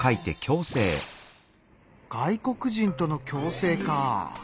外国人との共生か。